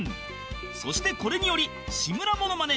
そしてこれにより志村モノマネ